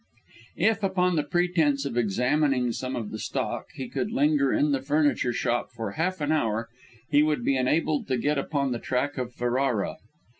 If, upon the pretence of examining some of the stock, he could linger in the furniture shop for half an hour, he would be enabled to get upon the track of Ferrara!